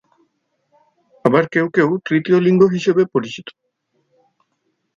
আবার কেউ কেউ তৃতীয় লিঙ্গ হিসেবে পরিচিত।